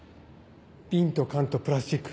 ビンと缶とプラスチック。